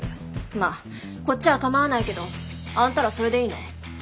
まあこっちはかまわないけどあんたらそれでいいの？